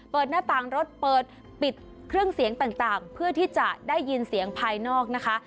หน้าต่างรถเปิดปิดเครื่องเสียงต่างเพื่อที่จะได้ยินเสียงภายนอกนะคะ